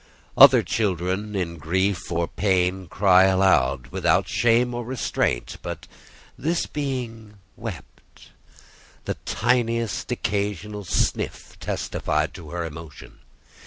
Other children in grief or pain cry aloud, without shame or restraint; but this being wept: the tiniest occasional sniff testified to her emotion.